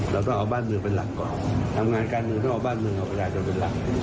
เราต้องเอาบ้านมึงเป็นหลักก่อนทำงานการมึงต้องเอาบ้านมึงเป็นหลัก